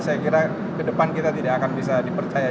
saya kira kedepan kita tidak akan bisa dipercaya